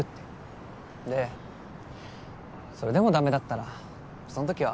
でそれでもダメだったらその時は。